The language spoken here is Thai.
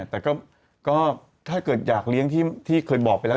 แต่ก็ถ้าเกิดอยากเลี้ยงที่เคยบอกไปแล้ว